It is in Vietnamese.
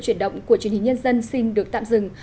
chuyển động của truyền hình nhân dân xin được tạm dừng